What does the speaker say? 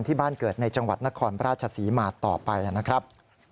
ที่บ้านเกิดในจังหวัดนครราชศรีมาต่อไปนะครับ